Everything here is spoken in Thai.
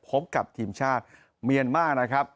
พบกับทีมชาติเมียนมาร์นะครับ